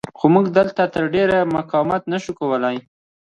خو موږ دلته تر ډېره مقاومت نه شو کولی.